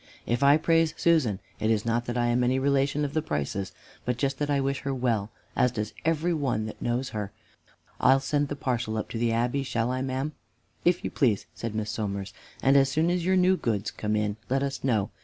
If I praise Susan it is not that I am any relation of the Prices, but just that I wish her well, as does every one that knows her. I'll send the parcel up to the Abbey, shall I, ma'am?" "If you please," said Miss Somers, "and as soon as your new goods come in, let us know.